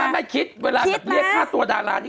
ไม่คิดเวลาแบบเรียกค่าตัวดารานี้